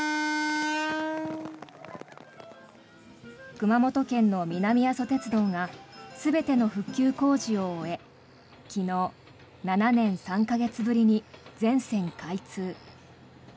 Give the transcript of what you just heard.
熊本県の南阿蘇鉄道が全ての復旧工事を終え昨日、７年３か月ぶりに全線開通。